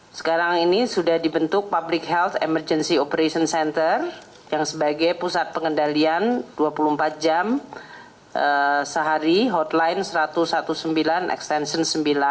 sekarang ini sudah dibentuk public health emergency operation center yang sebagai pusat pengendalian dua puluh empat jam sehari hotline satu ratus sembilan belas extension sembilan